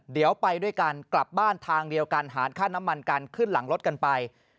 เดี๋ยวไปด้วยกันกลับบ้านทางเดียวกันหารค่าน้ำมันกันขึ้นหลังรถกันไป